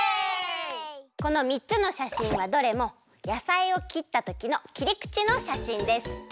この３つのしゃしんはどれもやさいをきったときのきりくちのしゃしんです。